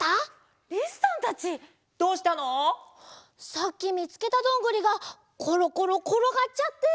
さっきみつけたどんぐりがころころころがっちゃって。